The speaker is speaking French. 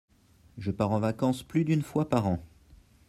Je pars en vacances plus d'une fois par an.